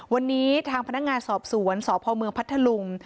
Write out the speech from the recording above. วันนี้ทางพนักงานสอบสวนสพเมืองพัทธลุง